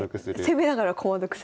攻めながら駒得する。